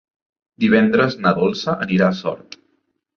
Divendres na Dolça anirà a Sort.